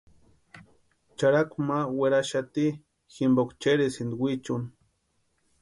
Charhaku ma weraxati jimpoka chérhisïnti wichuni.